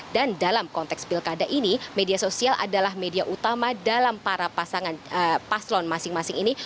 dan dalam konteks pilkada ini media sosial adalah media utama dalam para paslon masing masing ini